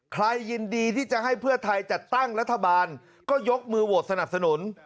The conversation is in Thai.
ใครยินดีที่จะให้เพื่อไทยจัดตั้งรัฐบาลก็ยกมือโหวตสนับสนุน